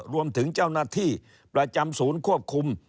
รวมถึงเจ้าหน้าที่ประจำศูนย์ควบคุม